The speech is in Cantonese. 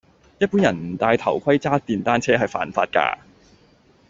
一般人唔戴頭盔揸電單車係犯法㗎